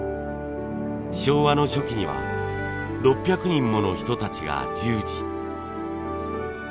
昭和の初期には６００人もの人たちが従事。